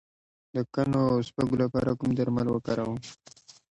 د کنو او سپږو لپاره کوم درمل وکاروم؟